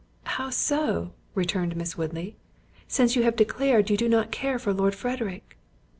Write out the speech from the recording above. "How so?" returned Miss Woodley, "since you have declared you do not care for Lord Frederick?"